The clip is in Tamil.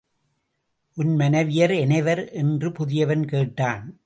உன் மனைவியர் எனைவர்? என்று புதியவன் கேட்டான்.